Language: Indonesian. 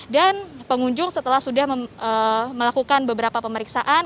dan pengunjung setelah sudah melakukan beberapa pemeriksaan